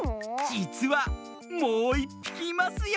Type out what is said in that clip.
じつはもういっぴきいますよ。